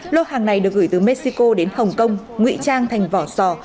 lô hàng này được gửi từ mexico đến hồng kông ngụy trang thành vỏ sò